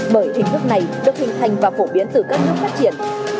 bởi hình thức này được hình thành và phổ biến từ các nước phát triển